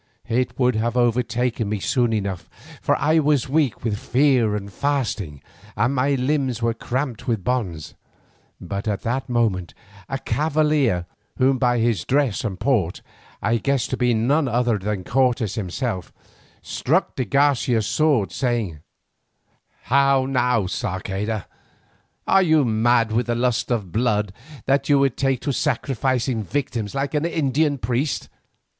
It would have overtaken me soon enough, for I was weak with fear and fasting, and my limbs were cramped with bonds, but at that moment a cavalier whom by his dress and port I guessed to be none other than Cortes himself, struck up de Garcia's sword, saying: "How now, Sarceda? Are you mad with the lust of blood that you would take to sacrificing victims like an Indian priest?